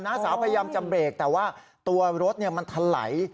สาวพยายามจะเบรกแต่ว่าตัวรถมันถลาย